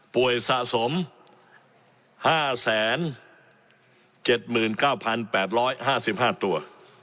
สะสม๕๗๙๘๕๕ตัว